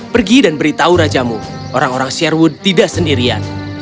pergi dan beritahu rajamu orang orang sherwood tidak sendirian